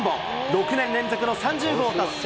６年連続の３０号達成。